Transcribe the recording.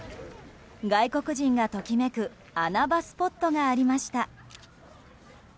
外国人がときめく穴場スポットがありました。